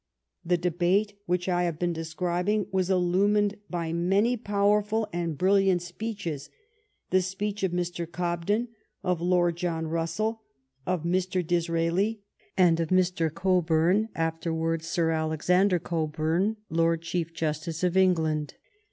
The debate which I have been describing was illumined by many powerful and brilliant speeches — the speech of Mr. Cobden, of Lord John Russell, of Mr. Disraeli, and of Mr, Cockburn, after\vards Sir Alexander Cockburn, Lord Chief Justice of Eng land.